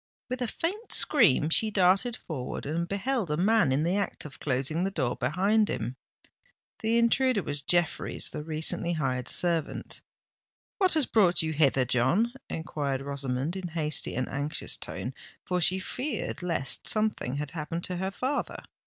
With a faint scream she darted forward, and beheld a man in the act of closing the door behind him. The intruder was Jeffreys, the recently hired servant. "What has brought you hither, John?" enquired Rosamond, in hasty and anxious tone—for she feared lest something had happened to her father.